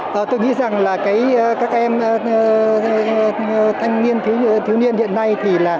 tôi nghĩ rằng các em thanh thiếu niên hiện nay